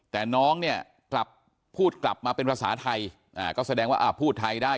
แต่น้องเนี่ยกลับพูดกลับมาเป็นภาษาไทยก็แสดงว่าพูดไทยได้